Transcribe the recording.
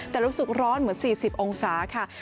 แต่รู้สึกร้อนเหมือน๔๐องศาค่ะ